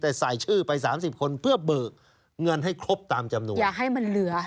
แต่ใส่ชื่อไปสามสิบคนเพื่อเบิกเงินให้ครบตามจำนวนอย่าให้มันเหลือ